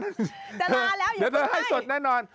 จะลาแล้วอย่าเพิ่งให้เดี๋ยวเธอให้สดแน่นอน